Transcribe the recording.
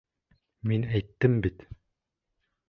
Мин әйттем бит.